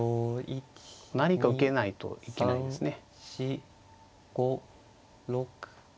何か受けないといけないですね。